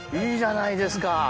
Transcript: いいじゃないですか。